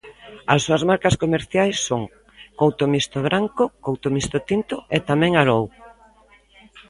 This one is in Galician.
As súas marcas comerciais son: Couto Mixto Branco, Couto Mixto Tinto e tamén Arou.